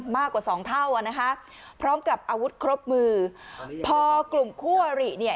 มากกว่าสองเท่าอ่ะนะคะพร้อมกับอาวุธครบมือพอกลุ่มคู่อริเนี่ย